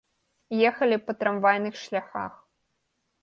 Ехалі па трамвайных шляхах.